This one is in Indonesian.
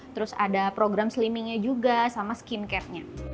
terus ada program slimmingnya juga sama skincarenya